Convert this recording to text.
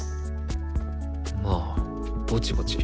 まあぼちぼち。